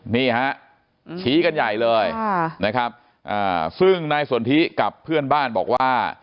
นี่ฮะชี้กันใหญ่เลยนะครับซึ่งนายสนทิกับเพื่อนบ้านบอกว่า